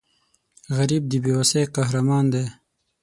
غریب د بې وسۍ قهرمان دی